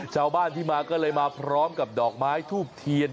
ชาวบ้านที่มาก็เลยมาพร้อมกับดอกไม้ทูบเทียน